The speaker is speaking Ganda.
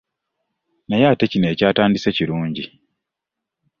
“Naye ate kino ekyatandise kirungi"